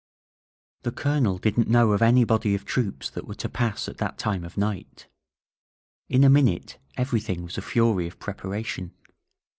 The Colonel didn't know of any body of troops that were to pass at that time of night. In a minute everything was a fury of preparation.